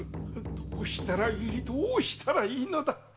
どうしたらいいどうしたらいいのだ。